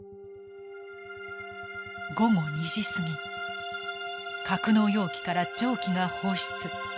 午後２時過ぎ格納容器から蒸気が放出。